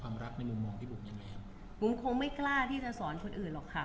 ผมคงไม่กล้าที่จะสอนคนอื่นหรอกค่ะ